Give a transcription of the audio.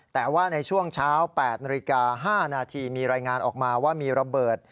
แต่ว่าในช่วงเช้า๘นาฬิกา๕นาทีมีรายงานออกมาว่ามีระเบิด